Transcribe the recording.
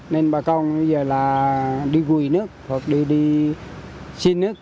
nên bà con bây giờ là đi gùi nước hoặc đi xin nước